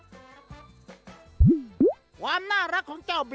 สวัสดีครับ